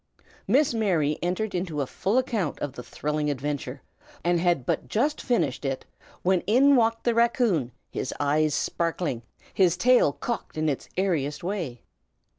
Miss Mary entered into a full account of the thrilling adventure, and had but just finished it when in walked the raccoon, his eyes sparkling, his tail cocked in its airiest way.